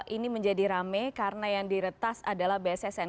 ini menjadi rame karena yang diretas adalah bssn